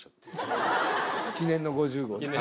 記念の５０号。